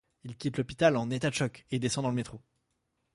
Il quitte l'hôpital en état de choc et descend dans le métro.